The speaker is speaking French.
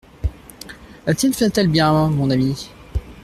La tienne va-t-elle bien, mon ami ?